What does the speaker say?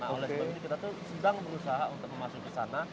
nah oleh sebab itu kita sedang berusaha untuk masuk ke sana